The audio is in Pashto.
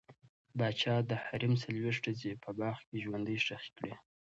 پاچا د حرم څلوېښت ښځې په باغ کې ژوندۍ ښخې کړې.